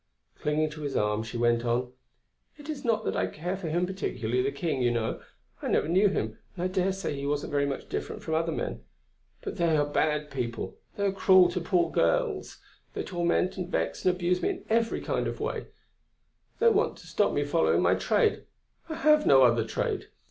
Clinging to his arm she went on: "It is not that I care for him particularly, the King, you know; I never knew him, and I daresay he wasn't very much different from other men. But they are bad people. They are cruel to poor girls. They torment and vex and abuse me in every kind of way; they want to stop me following my trade. I have no other trade.